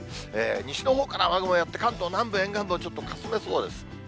西のほうから雨雲やって来て関東南部、ちょっとかすめそうです。